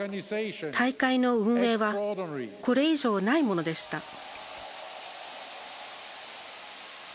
大会の運営はこれ以上ないものでした。